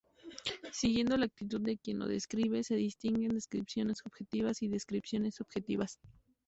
Siguiendo la actitud de quien la describe, se distinguen descripciones objetivas y descripciones subjetivas.